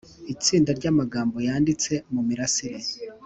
itsinda ry amagambo yanditse mu mirasire